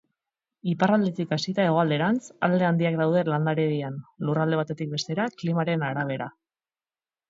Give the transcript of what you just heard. Iparraldetik hasita hegoalderantz, alde handiak daude landaredian, lurralde batetik bestera, klimaren arabera.